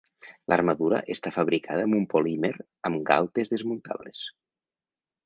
L'armadura està fabricada amb un polímer, amb galtes desmuntables.